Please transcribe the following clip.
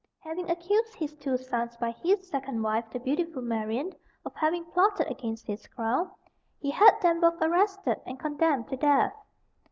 Having accused his two sons by his second wife, the beautiful Marianne, of having plotted against his crown, he had them both arrested and condemned to death.